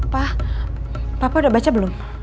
pa papa udah baca belum